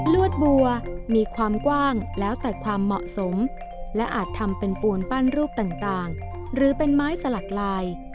วดบัวมีความกว้างแล้วแต่ความเหมาะสมและอาจทำเป็นปูนปั้นรูปต่างหรือเป็นไม้สลักลาย